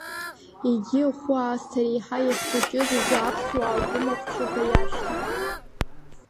Егьи ахәы аасҭа реиҳа иахьхәыҷыз азы Аԥсуаа гәымахәыҷы ҳәа иашьҭан.